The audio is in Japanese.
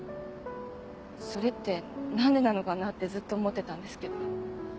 それって何でなのかなってずっと思ってたんですけど。